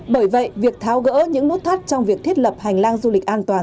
bởi vậy việc tháo gỡ những nút thắt trong việc thiết lập hành lang du lịch an toàn